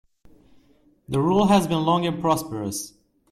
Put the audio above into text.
The rule has been long and prosperous.